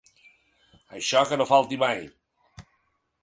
Això que no falti mai.